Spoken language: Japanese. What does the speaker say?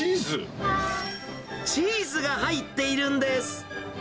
チーズが入っているんです。